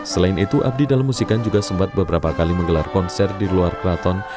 selain itu abdi dalam musikan juga sempat beberapa kali menggelar konser di luar keraton